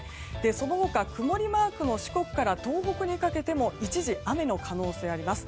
その他、曇りマークの四国から東北にかけても一時、雨の可能性があります。